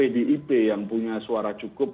di ip yang punya suara cukup